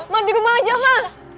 mama di rumah aja ma